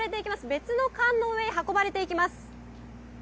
別の缶の上に運ばれていきます。